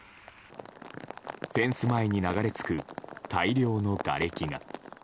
フェンス前に流れ着く大量のがれきが。